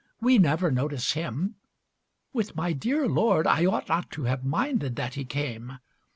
We never notice him. With my dear Lord I ought not to have minded that he came.